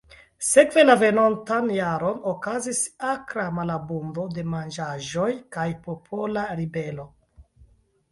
Sekve la venontan jaron okazis akra malabundo de manĝaĵoj kaj popola ribelo.